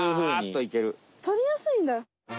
とりやすいんだ。